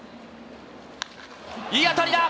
いい当たりだ。